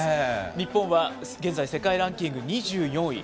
日本は現在、世界ランキング２４位。